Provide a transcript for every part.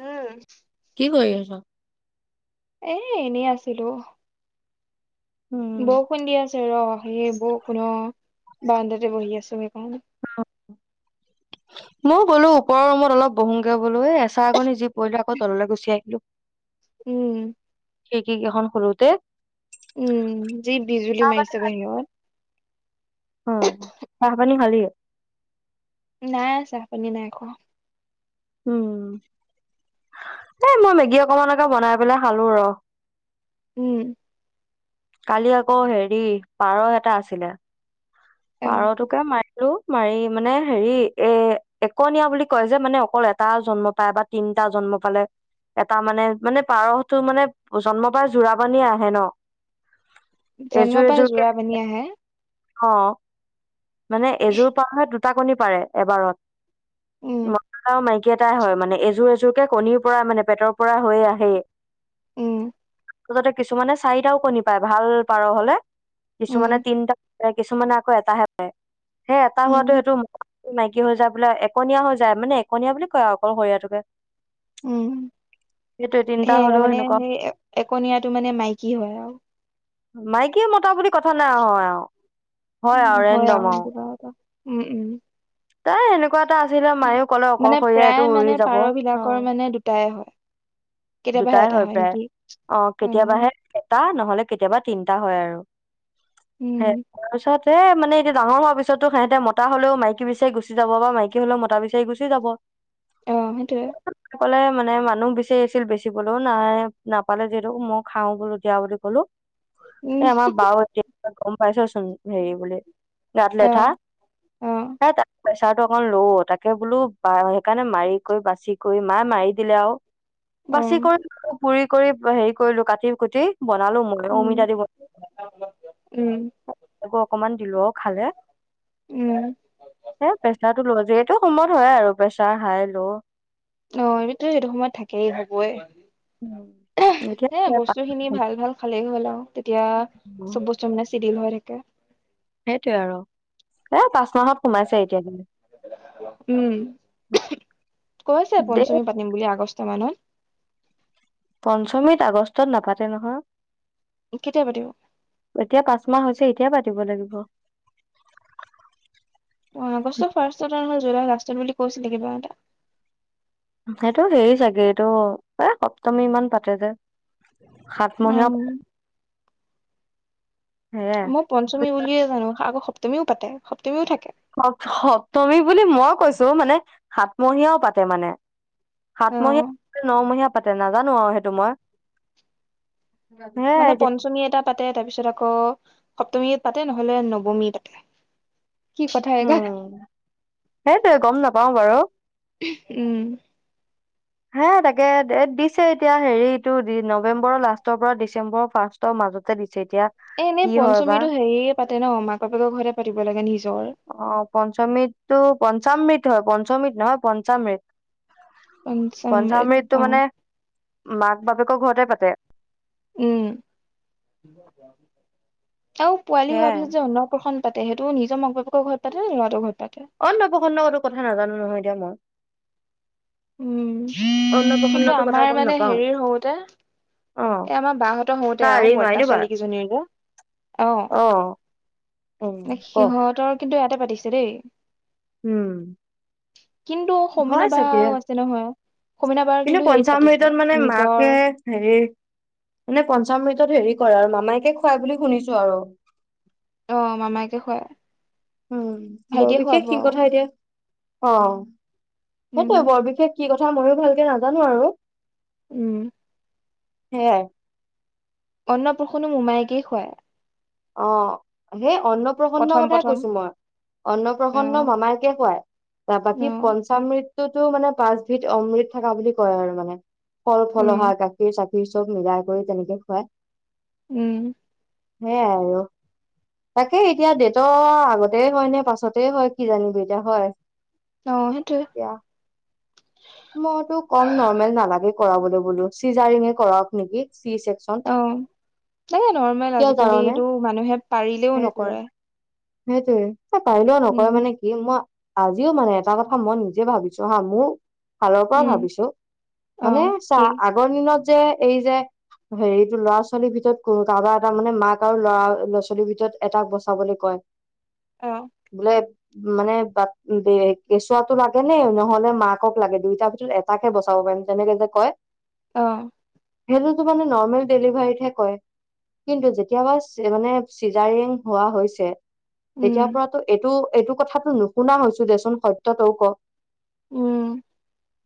উম কি কৰি আছ? এ এনেই আছিলো। উম, বৰষুণ দিয়া আছে ৰ। সেই বৰষুণ অ বাৰণ্ডাতে বহি আছো সেইকাৰণে। মও গ'লো ওপৰৰ ৰুমত অলপ বহুংগে বলো এ এচা কনি যি পৰিলে আকৌ তললে গুচি আহিলো। উম খিৰিকী কি খন খুলোতে। উম যি বিজুলি মাইছে খালি? বাহিৰত। অ চাহ পানী খালি নাই চা পানী নাই খোৱা। উম এ মই মেগী অকমানকে বনাই পেলাই খালো ৰ উম কালি আকৌ হেৰি পাৰ এটা আছিলে অ পাৰটোকে মাৰি আৰু মাৰি মানে হেৰি এ একনীয়া বুলি কয় যে মানে অকল এটা জন্ম পায় বা তিন টা জন্ম পালে। এটা মানে মানে পাৰটো মানে জন্ম পায় জোৰা বান্ধিয়ে আহে ন। এযোৰ জন্ম পাই এযোৰকে যোৰাবনি আহে? অ। মানে এযোৰ পাৰ দুটা কণী পাৰে উম এবাৰত। মতাও মাইকী। কেইটাই হয় মানে, এযোৰ এযোৰকে কণীৰ পৰা মানে পেটৰ পৰা হৈয়ে আহেই। উম ততে কিছুমানে চাৰিটাও কণী পায় ভাল পাৰ হলে। উম কিছুমানে তিনটা। এ কিছুমানে আকৌ এটাহে পায় সেই এটা উম হোৱাটো সেইটো মাইকী হৈ যায় বোলে একনীয়া হৈ যায় মানে এককনীয়া বুলি কয় আৰু অকল সৰিয়টোকে। উম। তিনিটা সেই হলেও মানে সেনেকুৱা সেই একনীয়াটো মানে মাইকী হয় আৱ। মাইকী মটা বুলি কথা নাই আহ আৰু উম আৰু হয় ৰেণ্ডম আৱ আৰু। কিবা এটা। উম উম। তাই এনেকুৱা এটা আছিলে মায়েও কলে মানে অকলশৰীয়া প্ৰায় এইটো মানে উৰি যাব পাৰ অ বিলাকৰ মানে দুটাই হয় কেতিয়াবাহে দুটাই এটা হয় প্ৰায় নেকি অ কেতিয়াবাহে এটা নহলে কেতিয়াবা তিন- টা হয় আৰু সেই উম তাৰপিছত সে মানে এতিয়া ডাঙৰ হোৱা পিছতো সিহঁতে মতা হলেও মাইকী বিচাৰি গুচি যাব বা মাইকী হলেও মতা বিচাৰি গুচি যাব অহ। সেইটোৱে। কলে মানে মানুহ বিচাৰিছিল বেছি চিবলৈও নাই নাপালে যিহেতু মই খাওঁ বোলো দিয়া বুলি কলো উম এই আমাৰ বা গম পাইছচোন হেৰি বুলি অ গাতলেথা অ হে তা প্ৰেচাৰটো অকন ল' তাকে বোলো বা সেইকাৰণে মাৰি কৰি বাচি কৰি মায়ে মাৰি দিলে আৰু অ বাছি কৰিলো পুৰি কৰি হেৰি কৰিলো কাটি গুটি বনালো মই উম অমিতা দি উম বনালো অকমান। দিলো খালে এ উম প্ৰেচাৰটো নলও যে সেটো সমত হয় আৰু প্ৰেছাৰ হাই ল'। অ এইতো সেইটো সময়ত থাকেই হবই উম এতিয়া হে বস্তু খিনি ভাল ভাল খালেই হ'ল আৰু এতিয়া চব বস্তু মানে চিডিল হৈ থাকে সেইটোৱয়ে আৰু এ পাঁচ মাহত সোমাইছে এতিয়া দিলে। উম কৈছে দে পঞ্চমী পাতিম বুলি আগষ্ট বৰ্তমানত। পঞ্চমীত আগষ্টত নাপাতে নহয়। কেতিয়া পাতিব এতিয়া পাঁচ মাহ হৈছে এতিয়া পা থাকিব লাগিব। অ আগষ্টৰ ফাৰ্ষ্টত নহলে জুলাই লাষ্টত বুলি কৈছিলে কিবা এটা। সেইটো হেৰি চাগে, এইটো এ সপ্তমী মান পাতে যে। সাতমহীয়া উম সেয়াই মই পঞ্চমী বুলিয়ে জানো আকৌ সপ্তমীও পাতে। সপ সপ্তমী বুলি মই কৈছো মানে সাতমহীয়াও পাতে মানে অ সাতমহীয়া নমহীয়া পাতে নাজানো আৰু সেইটো মই মানে সেয়াই এতিয়া পঞ্চমী এটা পা পাতে তাৰ পিছত আকৌ সপ্তমী পাতে নহলে নৱমী পাতে। কি কথা একা উম সেইটোৱে গম নাপাও বাৰু। উম হে তাকে দে দিছে এতিয়া হেৰিটো নৱেম্বৰৰ লাষ্টৰ পৰা ডিচেম্বৰৰ ফাৰ্ষ্টৰ মাজতে দিছে। এতিয়া এনেই কি হয় বা পঞ্চমীতো হেৰিয়ে পাতে ন মাক বেকৰ ঘৰে পাতিব লাগে নিজ অ পঞ্চমৃতটো পঞ্চামৃত হয় পঞ্চমত নহয় পঞ্চামৃত। পঞ্চমৃত পঞ্চমিটো ইয়াৰ মানে মাক বাপেকৰ ঘৰতে পাতে উম আৰু পোৱালি হোৱাৰ সেয়াই পিছত যে অন্নপ্ৰসন পাতে সেইটো নিজৰ ম বাপেকৰ ঘৰত পাতে ন লৰাৰ ঘৰত পাতে অনপ্ৰসন্ন কতো কথা নাজানো নহয় এতিয়া মই উম। কিন্তু অন্নপ্ৰসন্নটো কথা আমাৰ গম মানে নাপাও হেৰিৰ হওঁতে। অ এ আমাৰ বাহতৰ হওঁতে কাৰ আৰু এই বৰ্তা মাইনু বাৰ ছোৱালী কেইজনীৰ যে। অহ। অ উম নে ক সিহঁতৰ কিন্তু ইয়াতে পাতিছে দেই। উম কিন্তু হয় সমনা বা চাগে আছে নহয় সমীনা বাৰ কিন্তু হেৰিত পাতিছে পঞ্চামভৃতত মানে নিজৰ মাকে হেৰি মানে পঞ্চমমৃতত হেৰি কৰে আৰু মামাইকে খুৱাই বুলি শুনিছো আৰু। অ মামায়কে খুৱায়। উম বৰ বিশেষ সি কথা এতিয়া অ সেইটোৱে উম বৰ বিশেষ কি কথা ময়ো ভালকে নাজানো আৰু উম সে অন্নপুষুনো মোমায়কেই খুৱায় অ সেই অন্ন প্ৰসন্ন প্ৰথম কথাই প্ৰথম কৈছো মই। অন্নপ্ৰসন্ন অ', মামায়কে খুৱায়। তাৰ বাকী অ', পঞ্চমমৃ। তো মানে পাঁচবিধ অমৃত থকা বুলি কয় আৰু মানে ফল ফলহা উম, গাখীৰ চাক খীৰ চব মিলাই কৰি তেনেকে খুৱায়। উম। সেয়াই আৰু। তাকে এতিয়া দেটৰ আগতে হয় নে পাছতে হয় কি জানিবি এতিয়া হয় আহ সেইটোৱে। এতিয়া। মইতো কম নৰ্মেল নালাগে কৰাবলৈ বোলো। চিজাৰিঙে কৰাওক নেকি? চি চেকচন অ মানে নৰ্মেল কিয় আজিকালি জাননে এইটো মানুহে পাৰিলেও নকৰে। সেইটোয়ে। এ পাৰিলেও উম, নকৰে মানে কি মই। আজিও মানে এটা কথা মই নিজে ভাবিছো হা মোৰ। ফালৰ পৰা উম, ভাবিছো। মানে অ', চা কি আগৰ দিনত যে এই যে। হেৰিতটো ল'ৰা ছোৱালীৰ ভিতৰত কোনো কাৰোবাৰ এটা মানে মাক আৰু লৰা ল'ৰা ছোৱালীৰ ভিতৰত এটাক বচাবলৈ কয়। অ', বোলে- মানে বাট কেঁচুৱাতটো লাগে নে নহলে মাকক লাগে দুইটাৰ ভিতৰত এটাকে বচাব। যেনেকে যে কয়- আহ সেইটোতো মানে নৰ্মেল ডেলিভাৰীতহে কয়। কিন্তু যেতিয়াবা মানে চিজাৰিং হোৱা হৈছে। উম, তেতিয়াৰ পৰাতো এইটো এইটো কথাটো নুশুনা হৈছো দেচোন সত্য তও ক। উম।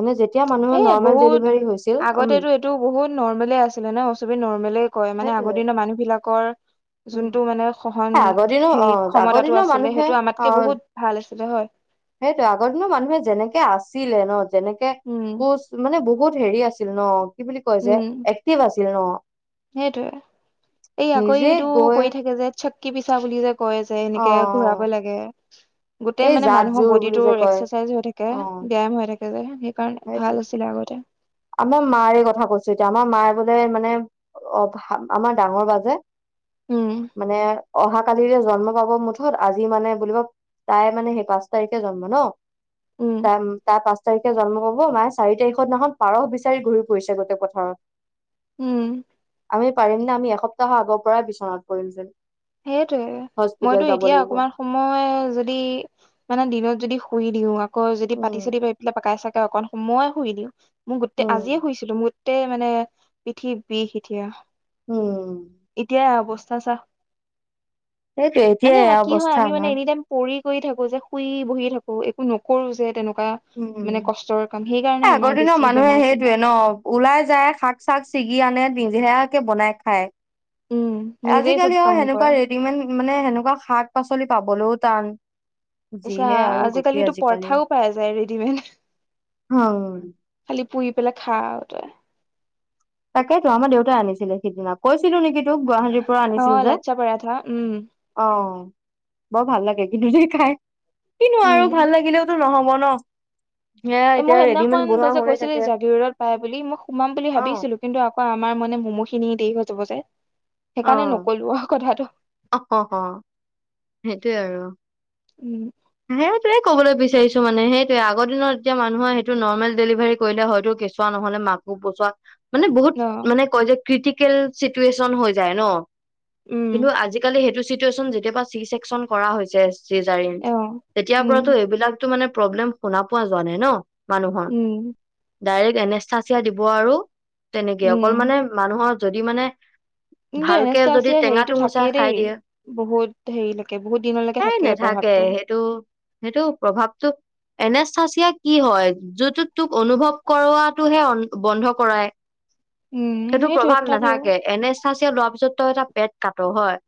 মানে যেতিয়া মানুহৰ এই নৰ্মেল বহুত ডেলিভাৰি আগতেতো এইটো বহুত নৰ্মলে আছিলে নহ চবে ত নৰ্মেলে কয় মানে আগৰ সেইটোয়ে দিনৰ মানুহ বিলাকৰ। উম যোনটো মানে সহন আগৰ দিনো অ সেই আগৰ ক্ষমতাটো দিনৰ আছিলে মানুহে সেইটো আমাতকে বহুত ভাল আছিল। তে হয় সেইটো আগৰ দিনৰো মানুহে যেনেকে আছিলে ন যেনেকে উম, কোচ মানে বহুত হেৰি আছিল। ছিল ন কি বুলি কয় যে এক্টিভ আছিল ন। সেইটোয়ে এই আকৌ নিজে এইটো গৈ কৰি থাকে যে চক্কি পিছা বুলি যে কয় যে অ এনেকে ঘূৰাব লাগে। গোটেই এই মানে জাত মানুহৰ জোৰ বডি বুলি টো যে কয় এক্সাৰচাইজ হৈ থাকে অ ব্যায়াম হৈ থাকে যে। কাৰণ সেইটোৱে ভাল আছিলে আগতে। আমাৰ মাৰ এই কথা কৈছো, এতিয়া আমাৰ মাৰ বোলে মানে অ আমাৰ ডাঙৰ বা জে। উম মানে অহা কালিৰে জন্ম পাব মুঠত আজি মানে বুলিব তাই মানে সেই পাঁচ তাৰিখে জন্ম ন। উম তাৰ তাৰ পাঁচ তাৰিখে জন্ম হ'ব মাৰ চাৰি তাৰিখত দিনাখন- পাৰহ বিচাৰি ঘূৰি ফুৰিছে গোটেই পথাৰত। উম আমি- পাৰিম নে আমি এসপ্তাহৰ আগৰ পৰাই বিচনাত কৰিম যেন সেইটোৱে মইতো হস্পিতেল যাব এতিয়া লাগিব অকমান সময় যদি মানে দিনত যদি শুই দিওঁ আকৌ যদি পাতি উম চাতি পাৰি পেলাই পকাই চাকাই অকন সময়ে শুই দিওঁ। মোৰ গোটেই আজিয়ে উম শুইছিলো মোৰ গোটেই মানে পিঠি বিষ স এতিয়া উম এতিয়াই অৱস্থা চা। সেইটোৱে মানে এতিয়াই এয়া কি হয় অৱস্থা আমি মানে আমাৰ এনি টাইম পঢ় ই থাকো যে শুই বহি থাকো একো নকৰো যে তেনেকুৱা। উম মানে কষ্টৰ কাম সেইকাৰণে আমাৰ আগৰ দিনৰ বেছি মানুহে বেমাৰ চেমাৰ সেইটোয়ে ন ওলাই যায় শাক-চাক চি- ছিগি আনে নিজেয়াকে বনাই খায়। উম নিজেই চব আজিকালি কাম আৰু কৰে সেনেকুৱা ৰেডিমেড মানে সেনেকা শাক পাচলি পাবলৈও টান। আচ্ছা যিহে আৰু গতি আজিকালি এইটো পৰঠাও পাই আছে ৰেডিমেড, হুম। খালি পুহি পেলাই খা আৰু তই। তাকেইতো আমাৰ দেউতাই আনিছিলে সিদিনা কৈছিলো নেকি চব গুৱাহাটীৰ পৰা অ আনিছিল যে লাচ্ছা পৰাঠা উম অ। বৰ ভাল লাগে কিন্তু দে খাই কিনো উম আৰু ভাল লাগিলেওতো নহব ন। সেয়া এ মই এতিয়া ৰেডিমেড সেইদিনাখন বনোৱা তই যে হৈয়ে কৈছিলো থাকে জাগিৰদত পাই বুলি মই সোমাম বুলি অ ভাবিছিলো। কিন্তু আকৌ আমাৰ মানে মমোখিনি দেৰি হৈ যাব যে অ সেইকাৰণে নকলো আৰু কথাটো। সেইটোয়ে আৰু উম সেইটোৱে কবলে বিচাৰিছো মানে সেইটোয়ে আগৰ দিনত যেতিয়া মানুহৰ সেইটো নৰ্মেল ডেলিভাৰী কৰিলে হয়তো কেঁচুৱা নহলে মাকো পছোৱা মানে অ বহুত মানে কয় যে ক্ৰিটিকেল চিটুৱেচন হৈ যায় ন উম কিন্তু আজিকালি সেইটো চিটুৱেশচন যেতিয়া পা চিচেকচন কৰা হৈছে চিজাৰিন অ তেতিয়াৰ উম পৰাতো এইবিলাকতো মানে প্ৰব্লেম শুনা পোৱা যোৱা নাই ন মানুহৰ। উম ডাইৰেক্ট এনেষ্টাচিয়া দিব আৰু তেনেকে উম অকল মানে মানুহৰ যদি মানে কিন্তু এনে ভালকে যদি আছিয় হেৰিতটো টেঙাটো মোচাই থাকেই দেই খাই দিয়ে বহুত হেৰিলৈকে বহুত দিনলৈকে এ থাকে প্ৰভাৱ। নাথাকে সেইটো সেইটো প্ৰভাৱটো এনে চাচিয়া কি হয় যোনটোত তোক অনুভৱ কৰাৱটোহে বন্ধ কৰায়। উম সেইটো সেইটোৱে প্ৰভাৱ তথাপিও নাথাকে এনে এ চাচিয় লোৱাৰ পিছত তই এটা পেট কাটো হয়।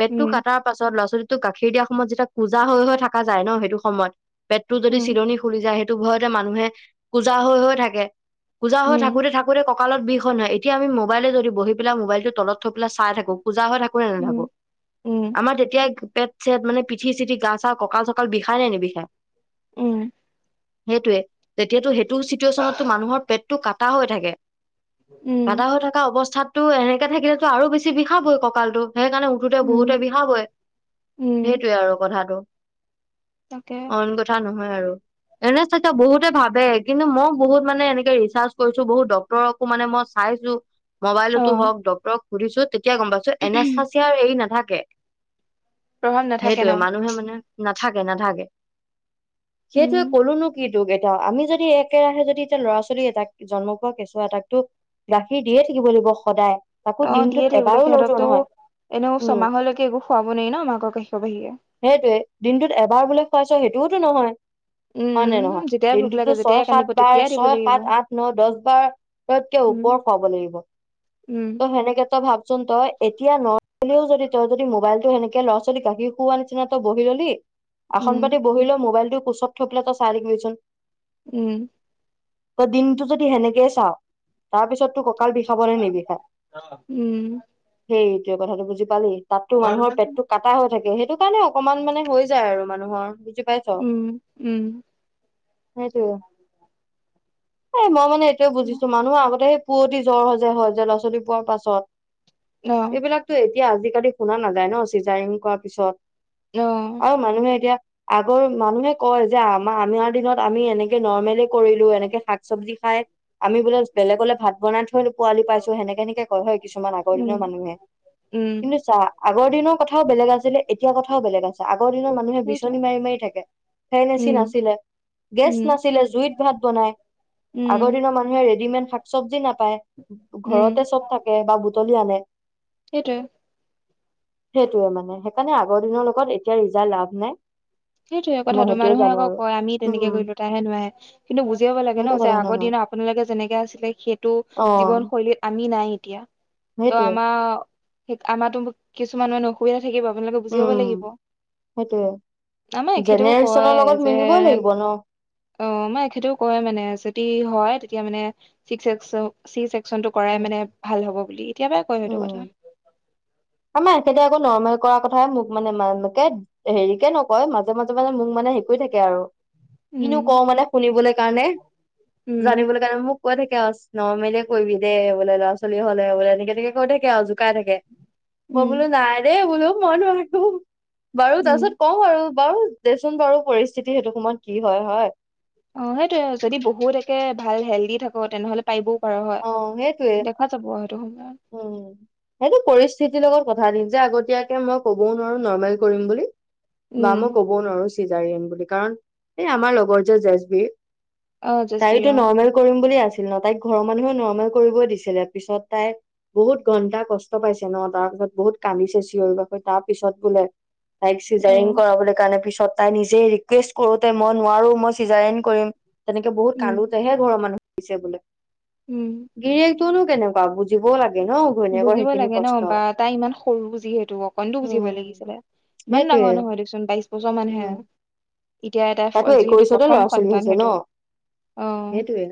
পেটটো উম কটাৰ পাছত ল'ৰা ছোৱালীতোক গাখীৰ দিয়াৰ সময়ত যেতিয়া কোজা হৈ হৈ থকা যায় ন সেইটো সময়ত। পেটটো যদি উম চিলনি খুলি যায় সেইটো ভয়তে মানুহে কোজা হৈ হৈ থাকে। কোজা হৈ উম থাকোতে থাকোতে ককালত বিষখন হয় এতিয়া আমি মোবাইলে যদি বহি পেলাই মোবাইলটোত তলত থৈ পেলাই চাই থাকো কোজা হৈ থাকো নে নাথাকো উম উম আমাৰ তেতিয়া পেট চেত মানে পিঠি চিঠি গা চা কঁকাল চকাল বিষাই নে নিবিষাই। উম সেইটোৱে তেতিয়াতো সেইটো চিটুৱেশ্যনতটো মানুহৰ পেটটো কাটা হৈ থাকে। উম গাদা হৈ থকা অৱস্থাতো এনেকে থাকিলেতো আৰু বেছি বিষাবই কঁকালটো। সেইকাৰণে উঠোতে বহুতে উম বিষা বই উম সেইটোৱে আৰু কথাটো। তাকে অইন কথা নহয় আৰু। এনে চাকে বহুতে ভাবে কিন্তু মই বহুত মানে এনেকে ৰিচাৰ্চ কৰিছো বহুত ডক্তৰকো মানে মই চাই আহিছোঁ। অ মবাইলতো হওক ডক্তৰক সুধিছো তেতিয়া গম পাইছো এনেচাচিয়াৰ হেৰি নাথাকে প্ৰভাৱ নাথাকে ন সেইটোৱে মানুহে মানে নাথাকে নাথাকে উম সেইটোৱে কলো নো কি। এতিয়াও আমি যদি একেৰাহে যদি এতিয়া ল'ৰা ছোৱালী এটাক জন্ম পোৱা কেঁচুৱা এটাকতো গাখীৰ দিয়ে থাকিব লাগিব সদায়। তাকো অ দিয়ে দিনটোত থাকে বোলে এবাৰো সিহঁতক লওতো তো নহয় এনেও উম ছমাহলৈকে একো খোৱাব নোৱাৰি ন মাকৰ গাখীৰৰ বাহিৰে। সেইটোৱে দিনটোত এবাৰ বোলে খুৱাইছ সেইটোওতো নহয় উম হয় নে নহয় যেতিয়াই ভোক দিনটোতো লাগে ছয় যেতিয়াই সাত কান্দিব বাৰ তেতিয়াই দিব ছয় লাগিব সাত আঠ ন দহ বাৰতকে উম ওপৰ খোৱাব লাগিব উম ত সেনেকে তই ভাবচোন তই এতিয়া নহলেও যদি তই যদি মোবাইলটো সেনেকে ল'ৰা ছোৱালী গাখীৰ খোৱাৰ নিচিনা তই বহি ললি আসন পাতি উম বহিলৈ মোবাইলটো কোচত থৈ পেলাই তই চাই থাকিবি চুন। উম ত দিনটো যদি সেনেকে চাওঁ তাৰ পিছত টো ক ককাল বিষাব নে নিবিষায় উম সেইটোৱে কথাটো বুজি পালি তাতো মানুহৰ পেটতটো কাটা হৈ থাকে সেইটো কাৰণে অকনমান মানে হৈ যায় আৰু মানুহৰ বুজি- পাইছ? উম উম সেইটোয়ে এই মই মানে এইটোয়ে বুজিছো মানুহ আগতে পুৱতি জ্বৰ হয় যে হয় যে ল'ৰা ছোৱালী পোৱাৰ পাছত অ এইবিলাকতোৱেই। এতিয়া আজিকালি শুনা নাযায় ন চিজাইং কৰা পিছত অ আৰু মানুহে এতিয়া আগৰ মানুহে কয় যে আমাৰ আমাৰ দিনত আমি এনেকে নৰ্মেল কৰিলো এনেকে শাক চবজি খাই আমি বোলে বেলেগলৈ ভাত বনাই থৈ পোৱালি পাইছো সেনেকে সেনেকে কয় হয় কিছুমান আগৰ উম, দিনৰ মানুহে। উম, কিন্তু চা আগৰ দিনৰ কথাও বেলেগ আছিলে এতিয়া কথাও বেলেগ আছে। আগৰ দিনৰ মানুহে সেইটোৱে বিচনী মাৰি মাৰি থাকে ফেন এচি উম, নাছিলে। গেছ উম, নাছি- উম, পাই ঘৰতে উম, চব থাকে বা বুটলি আনে সেইটোৱে সেইটোয়ে মানে সেইকাৰণে আগৰ দিনৰ লগত এতিয়া ৰিজাই লাভ নাই। সেইটোৱে মই কথাটো। সেইটোয়ে মানুহে জানো আকৌ আৰু কয় আমি তেনেকে উম কৰিলো, তাইহে নোৱাহে। কিন্তু বুজি পাব লাগে ন সেইটো যে কথা আগৰ নহয় দিনত আপোনালোকে যেনেকে আছিলে সেইটো অ জীৱনশৈলীত আমি নাই। এতিয়া ত সেইটোয়ে আমাৰ আমাৰটো কিছুমানে নুশুৱে। থাকিব। আপোনালোকে বুজি পাব উম লাগিব। সেইটোয়ে আমাৰ এখেতেও কয় জেনেৰেশ্যনৰ লগত যে মিলিবই লাগিব ন অ আমাৰ এখেতেও কয় মানে যে যদি হয় তেতিয়া মানে চি চেকচেক চ, চি চেকচনটো কৰাই উম মানে ভাল হ'ব বুলি। এতিয়াৰ পৰাই কয় সেইটো উম কথা আমাৰ এখেতেআকৌ নৰমাৰি কৰাৰ কথাইে মোক মানে মকে হেৰিকে নকয় মাজে মাজে মানে মোক মানে হেৰি কৰি থাকে আৰু কিনো উম কও মানে শুনিবলৈ কাৰণে উম জানিবলৈ কাৰণে মোক কৈ থাকে আ নৰ্মেল কৰিবি দেই বোলে ল'ৰা ছোৱালী হলে বোলে এনেক তেনে কে কৈ থাকে আৰু শুকাই থাকে মই উম বোলো নাই দেই বোলো মই নোৱাৰো বাৰু তাৰ উম পিছত কওঁ আৰু বাৰু দেচোন বাৰু পৰিস্থিতি সেইটো সময়ত কি হয় হয়। অ সেইটোয়ে যদি বহুত একে ভাল হেল্ডি থাকো তেনেহলে পাৰিব। অ সেইটোৱে সময়ত উম সেইটো পৰিস্থি টিতিৰ লগত কথা দিম যে আগতয়াকে মই ক'বও নোৱাৰো নৰ্মেল কৰিম বুলি বা মই উম ক'বও নোৱাৰো জাৰম বুলি কাৰণ এই আমাৰ লগৰ যে জেচ বিৰ অ জেচবিৰ তাইটো অ নৰ্মেল কৰিম বুলি আছিল ন তাইক ঘৰ মানুহে নৰৰ্মেল কৰিব দিছিলে পিছত তাই বহুত ঘন্টা কষ্ট পাইছে ন তাৰ পিছত বহুত কান্দিছে চিঞৰি বাষৈ তাৰ পিছত বোলে ক অ চিজাৰিং কৰাবলৈ কাৰণে পিছ তাই নিজে ৰিকুৱেষ্ট কৰোতে মই নোৱাৰো মই চিজাৰেনট কৰিম তেনেকে বহুত উম কান্দোতেহে ঘৰৰ মানুহ আহছে বোলে উম গিৰিয়েক তনো কেনেকুৱা বুজিবও লাগে। ন ঘৈণীয়েকৰ বুজিব সেইখিনি লাগে ন কষ্ট বা তাই ইমান সৰু বুজি সেতটো অকনো বুজিবই উম লাগিছিলে বান দাঙৰ সেইটোয়ে নহয় দেচোন বাইশ বছৰ মান হে। উম এতিয়া এটা তাতো যিহেতু একৈশতে ল'ৰা প্ৰথম ছোৱালী সন্তান হৈছে সেইটো ন অ। সেইটোয়ে